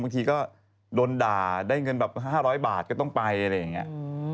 บางทีก็โดนด่าได้เงินแบบ๕๐๐บาทก็ต้องไปอะไรอย่างนี้